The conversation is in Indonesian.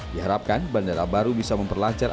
diharapkan bandara baru bisa memperlancar